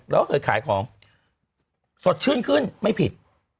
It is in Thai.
แล้วก็เคยขายของสดชื่นขึ้นไม่ผิด